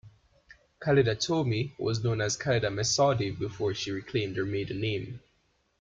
Khalida Toumi was known as Khalida Messaoudi before she reclaimed her maiden name.